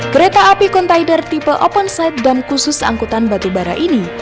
kereta api contaider tipe open side dam khusus angkutan batu bara ini